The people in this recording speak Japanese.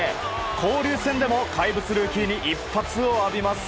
交流戦でも怪物ルーキーに一発を浴びます。